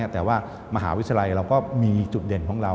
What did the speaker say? แต่ว่ามหาวิทยาลัยเราก็มีจุดเด่นของเรา